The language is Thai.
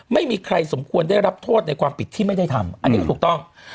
ไม่มีใครสมควรได้รับโทษในความผิดที่ไม่ได้ทำอันนี้ก็ถูกต้อง